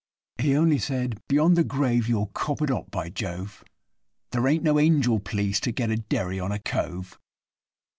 He only said, 'Beyond the grave you'll cop it hot, by Jove! There ain't no angel p'leece to get a derry on a cove.